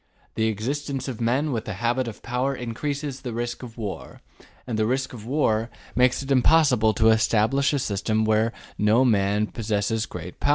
The existence of men with the habit of power increases the risk of war, and the risk of war makes it impossible to establish a system where no man possesses great power.